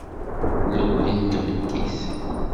Lewhi n tmeddit.